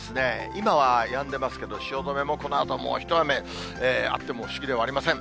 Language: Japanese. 今はやんでますけど、汐留もこのあと、もう一雨あっても不思議ではありません。